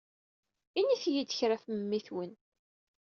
Init-iyi-d kra ɣef memmi-twen.